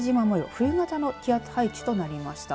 冬型の気圧配置となりました。